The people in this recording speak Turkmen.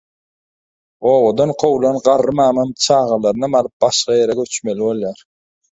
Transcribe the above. Obadan kowulan garry mamam çagalarynam alyp başga ýere göçmeli bolýar.